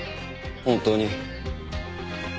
本当に。